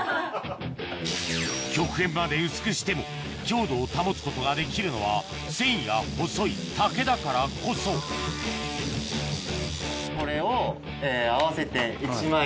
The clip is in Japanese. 極限まで薄くしても強度を保つことができるのは繊維が細い竹だからこそこれを。